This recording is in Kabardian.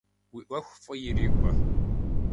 Уи ӏуэху фӏы ирикӏуэ!